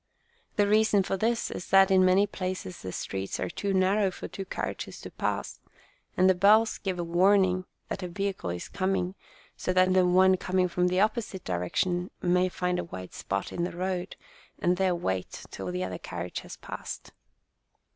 The reason for this is that in many places the streets are too narrow for two carriages to pass, and the bells give warning that a vehicle is coming, so that the one coming from the opposite direction may find a wide spot in the road, and there wait till the other carriage has passed.